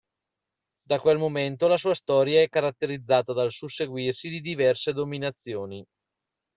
Da quel momento la sua storia è caratterizzata dal susseguirsi di diverse dominazioni.